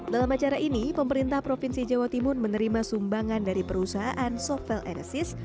dalam acara ini pemerintah provinsi jawa timur menerima sumbangan dari perusahaan sovel enesis